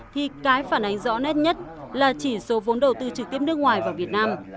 thì cái phản ánh rõ nét nhất là chỉ số vốn đầu tư trực tiếp nước ngoài vào việt nam